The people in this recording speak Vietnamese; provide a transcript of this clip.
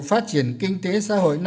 phát triển kinh tế xã hội